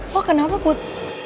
lo kenapa put